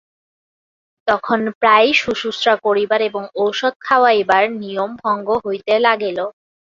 তখন প্রায়ই শুশ্রূষা করিবার এবং ঔষধ খাওয়াইবার নিয়ম ভঙ্গ হইতে লাগিল।